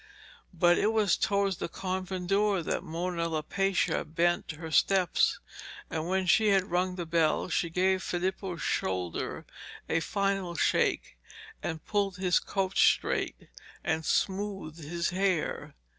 But it was towards the convent door that Mona Lapaccia bent her steps, and, when she had rung the bell, she gave Filippo's shoulder a final shake, and pulled his coat straight and smoothed his hair.